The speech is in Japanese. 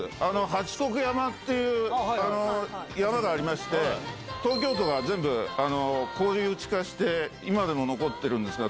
八国山っていう、山がありまして、東京都が全部公有地化して、今でも残ってるんですが。